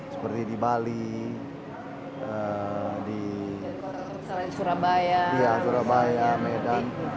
seperti di bali di surabaya medan